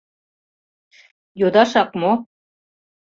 Йодашак мо?